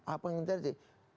apa yang terjadi